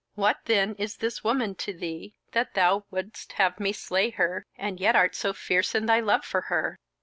What then is this woman to thee, that thou wouldst have me slay her, and yet art so fierce in thy love for her?"